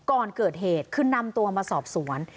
ก่อนเกิดเหตุคือนำตัวมาสอบสวน